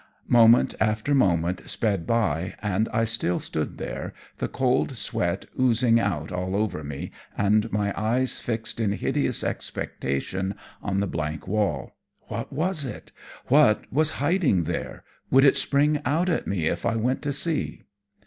Moment after moment sped by, and I still stood there, the cold sweat oozing out all over me, and my eyes fixed in hideous expectation on the blank wall. What was it? What was hiding there? Would it spring out on me if I went to see?